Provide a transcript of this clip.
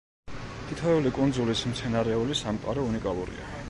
თითოეული კუნძულის მცენარეული სამყარო უნიკალურია.